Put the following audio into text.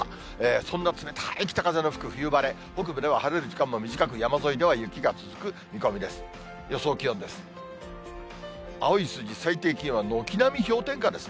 そんな冷たい北風の吹く冬晴れ、北部では晴れる時間も短く、山沿いでは雪が続く見込みです。